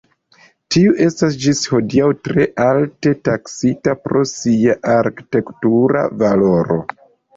Tiu estas ĝis hodiaŭ tre alte taksita pro sia arkitektura valoro.